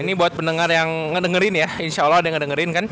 ini buat pendengar yang ngedengerin ya insya allah ada yang ngedengerin kan